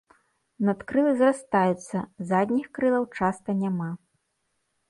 Надкрылы зрастаюцца, задніх крылаў часта няма.